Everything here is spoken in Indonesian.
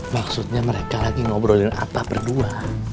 maksudnya mereka lagi ngobrolin apa berdua